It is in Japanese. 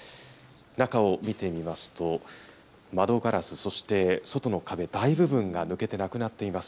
中を見てみますと、窓ガラス、そして外の壁、大部分が抜けてなくなっています。